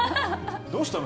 どうしたの？